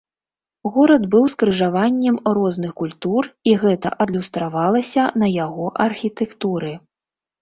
Горад быў скрыжаваннем розных культур, і гэта адлюстравалася на яго архітэктуры.